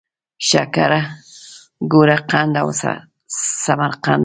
شکره، ګوړه، قند او سرقند دي.